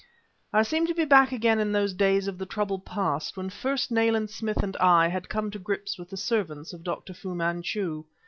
I seemed to be back again in those days of the troubled past when first Nayland Smith and I had come to grips with the servants of Dr. Fu Manchu.